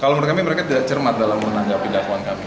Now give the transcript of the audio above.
kalau mereka mereka tidak cermat dalam menanggap pidatuan kami